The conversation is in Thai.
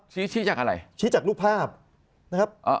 ชี้ชี้จากอะไรชี้จากรูปภาพนะครับ